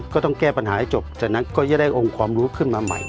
ก็ต้องแก้ปัญหาให้จบจากนั้นก็จะได้องค์ความรู้ขึ้นมาใหม่